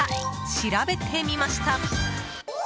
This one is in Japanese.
調べてみました。